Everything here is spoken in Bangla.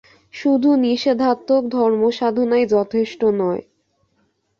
শুধু নিষেধাত্মক ধর্মসাধনাই যথেষ্ট নয়।